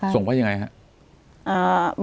ส่งว่ายังไงครับ